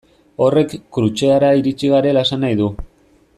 Horrek Krutxeara iritsi garela esan nahi du.